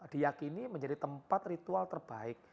diakini menjadi tempat ritual terbaik